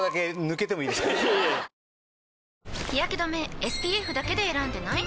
日やけ止めＳＰＦだけで選んでない？